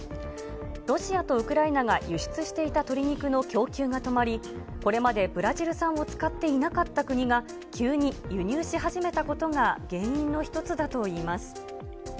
ロシアとウクライナが輸出していた鶏肉の供給が止まり、これまでブラジル産を使っていなかった国が、急に輸入し始めたことが原因の一つだといいます。